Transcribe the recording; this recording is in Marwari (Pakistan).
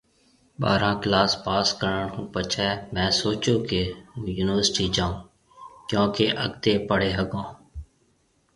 ٻاره ڪلاس پاس ڪرڻ هُون پڇي مهيَ سوچيو ڪي هون يونِيورسٽِي جائون ڪنو ڪي اڳتي پڙهيَ هگھون